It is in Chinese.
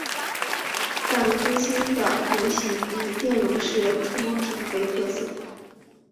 但更新的模型以电容式触摸屏为特色。